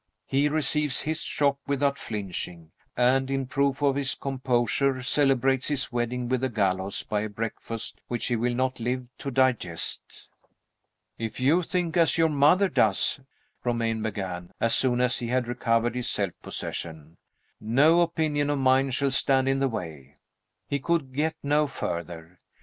He receives his shock without flinching; and, in proof of his composure, celebrates his wedding with the gallows by a breakfast which he will not live to digest. "If you think as your mother does," Romayne began, as soon as he had recovered his self possession, "no opinion of mine shall stand in the way " He could get no further.